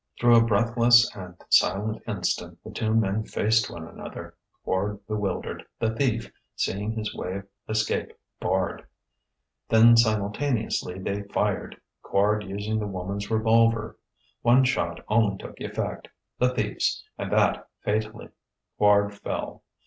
Through a breathless and silent instant the two men faced one another, Quard bewildered, the Thief seeing his way of escape barred. Then simultaneously they fired Quard using the woman's revolver. One shot only took effect the Thief's and that fatally. Quard fell.